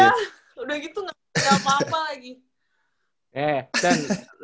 iya udah gitu gak ada apa apa lagi